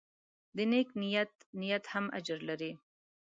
د نیک نیت نیت هم اجر لري.